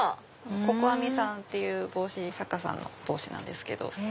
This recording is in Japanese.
ここあみさんっていう帽子作家さんの帽子なんです。